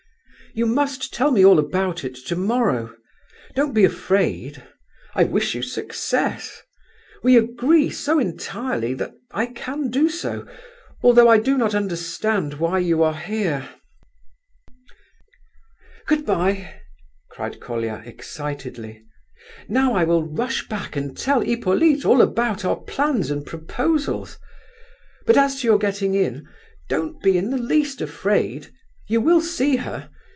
"You must tell me all about it tomorrow! Don't be afraid. I wish you success; we agree so entirely that I can do so, although I do not understand why you are here. Good bye!" cried Colia excitedly. "Now I will rush back and tell Hippolyte all about our plans and proposals! But as to your getting in—don't be in the least afraid. You will see her.